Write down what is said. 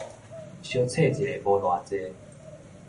相扯一下無偌濟